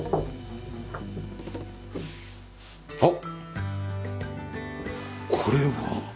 あっこれは。